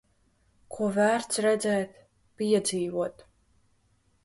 Ko vērts redzēt, piedzīvot.